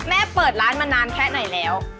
เปิดร้านมานานแค่ไหนแล้ว